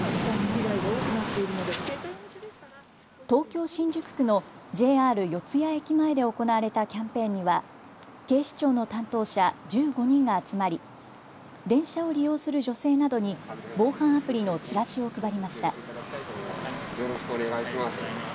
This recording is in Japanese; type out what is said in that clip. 東京新宿区のＪＲ四ツ谷駅前で行われたキャンペーンには警視庁の担当者１５人が集まり電車を利用する女性などに防犯アプリのチラシを配りました。